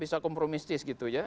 bisa kompromistis gitu ya